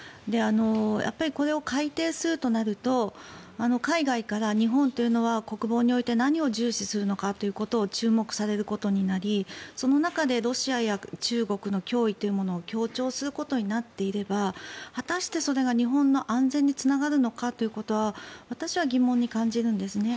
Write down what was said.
これを改定するとなると海外から日本というのは国防において何を重視するのかということを注目されることになりその中でロシアや中国の脅威というものを強調することになっていれば果たしてそれが日本の安全につながるのかということは私は疑問に感じるんですね。